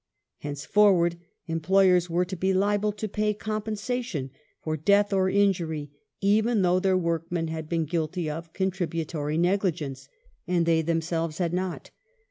Henceforward, employei s were to be liable to pay compensation for death or injury, even though their workmen had been guilty of " contributory negligence " and they themselves had not.